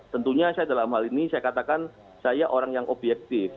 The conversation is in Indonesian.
tentunya saya dalam hal ini saya katakan saya orang yang objektif